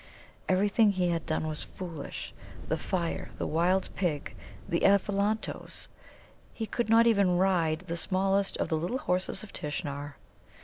Everything he had done was foolish the fire, the wild pig, the Ephelantoes. He could not even ride the smallest of the Little Horses of Tishnar.